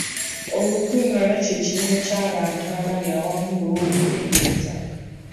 Olukungaana ky'ekibiina ky'abantu abali awamu olw'okutendereza.